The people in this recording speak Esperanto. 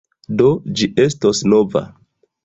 Do, ĝi estos nova.